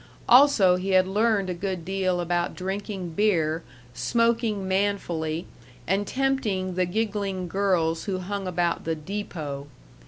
Also he had learned a good deal about drinking beer, smoking manfully, and tempting the giggling girls who hung about the "deepot."